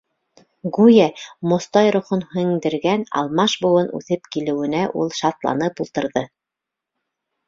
Гүйә, Мостай рухын һеңдергән алмаш быуын үҫеп килеүенә ул шатланып ултырҙы.